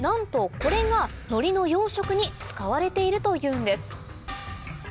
これがのりの養殖に使われているというんです